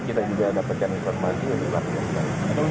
kita juga dapatkan informasi yang lebih berarti dari kami